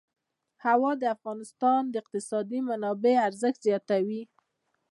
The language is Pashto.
هوا د افغانستان د اقتصادي منابعو ارزښت زیاتوي.